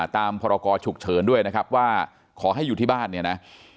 พรกรฉุกเฉินด้วยนะครับว่าขอให้อยู่ที่บ้านเนี่ยนะ